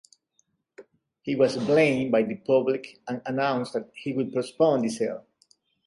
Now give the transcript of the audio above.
He was blamed by the public and announced that he would postpone the sale.